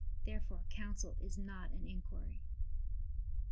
Therefore counsel is not an inquiry.